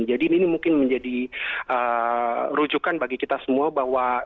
jadi ini mungkin menjadi rujukan bagi kita semua bahwa